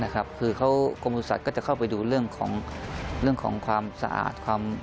คือกรมบุษัตริย์ก็จะเข้าไปดูเรื่องของความสะอาด